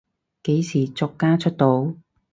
幾時作家出道？